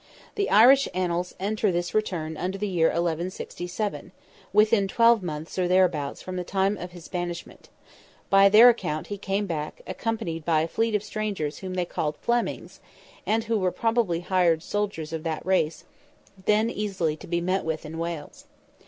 The Irish Annals enter this return under the year 1167, within twelvemonths or thereabouts from the time of his banishment; by their account he came back, accompanied by a fleet of strangers whom they called Flemings, and who were probably hired soldiers of that race, then easily to be met with in Wales.